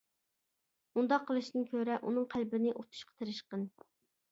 ئۇنداق قىلىشتىن كۆرە ئۇنىڭ قەلبىنى ئۇتۇشقا تېرىشقىن.